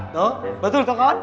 tuh betul tuh kawan